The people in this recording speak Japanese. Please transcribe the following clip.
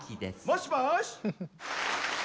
もしもし！